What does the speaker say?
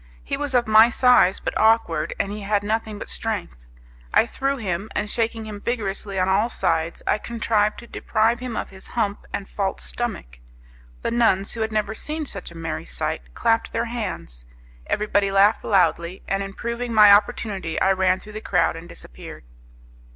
He was of my size, but awkward, and he had nothing but strength. I threw him, and shaking him vigorously on all sides I contrived to deprive him of his hump and false stomach. The nuns, who had never seen such a merry sight, clapped their hands, everybody laughed loudly, and improving my opportunity I ran through the crowd and disappeared.